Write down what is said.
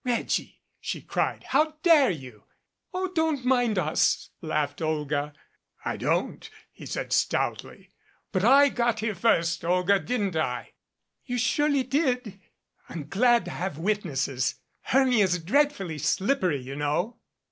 "Reggie," she cried, "how dare you !" "Oh, don't mind us," laughed Olga. "I don't " he said stoutly. "But I got here first, Olga, didn't I?" "You surely did " "I'm glad to have witnesses. Hermia's dreadfully slippery, you know."